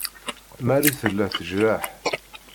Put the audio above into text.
Marie tella tejreḥ.